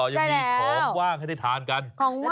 ใช่แล้วก็มีของว่างให้ได้ทานกันกันของว่าง